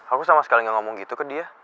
aku sama sekali gak ngomong gitu ke dia